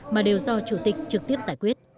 mà đều do chủ tịch trực tiếp giải quyết